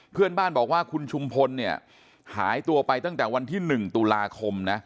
เพื่อนบ้านบอกว่าคุณชุมพลเนี่ยหายตัวไปตั้งแต่วันที่๑ตุลาคมนะ